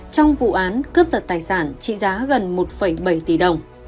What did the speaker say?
trong vụ án cướp giật tài sản trị giá gần một bảy tỷ đồng